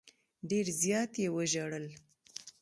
ډېر زیات یې وژړل.